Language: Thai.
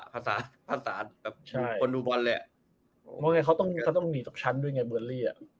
ภาษาคนดูบอลเลยเขาต้องหนีตรงชั้นด้วยไงเบอร์นลี่